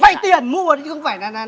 vậy tiền mua đấy chứ không phải là